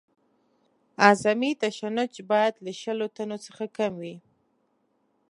اعظمي تشنج باید له شلو ټنو څخه کم وي